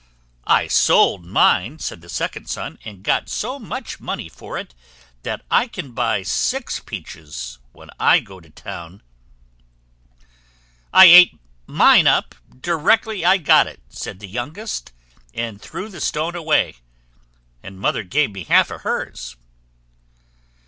"I sold mine," said the second son, "and got so much money for it that I can buy six peaches when I go to town." "I ate mine up directly I got it," said the youngest, "and threw the stone away; and mother gave me half of hers."